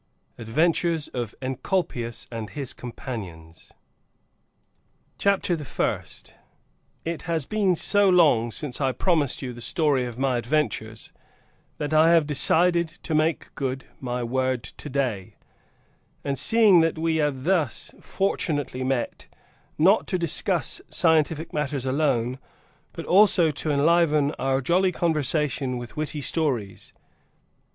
ADVENTURES OF ENCOLPIUS AND HIS COMPANIONS CHAPTER THE FIRST. (It has been so long since I promised you the story of my adventures, that I have decided to make good my word today; and, seeing that we have thus fortunately met, not to discuss scientific matters alone, but also to enliven our jolly conversation with witty stories.